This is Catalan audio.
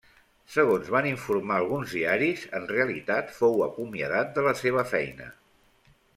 Segons van informar alguns diaris, en realitat fou acomiadat de la seva feina.